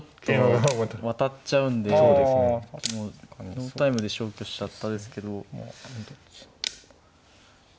ノータイムで消去しちゃったですけど。